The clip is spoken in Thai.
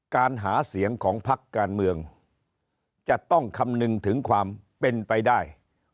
การหาเสียงของพักการเมืองจะต้องคำนึงถึงความเป็นไปได้